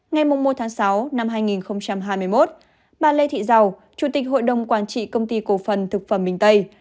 ngày một sáu hai nghìn hai mươi một bà lê thị giàu chủ tịch hội đồng quản trị công ty cổ phần thực phẩm bình tây